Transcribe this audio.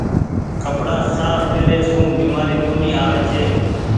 ڪپڙآ ساڦ پيري سون بيمآري ڪونيٚ آوي ڇي۔